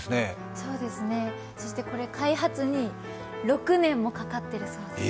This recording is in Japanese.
そうなんです、これ開発に６年もかかっているそうですよ。